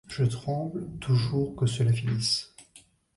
Je tremble toujours que cela finisse.